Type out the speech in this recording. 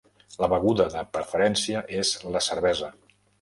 La beguda de preferència és la cervesa.